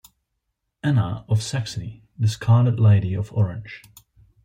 "Anna of Saxony: The Scarlet Lady of Orange".